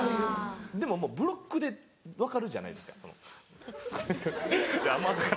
でももうブロックで分かるじゃないですかあんま。